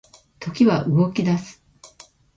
時は動き出す